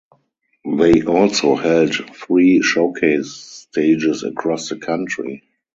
They also held three showcase stages across the country.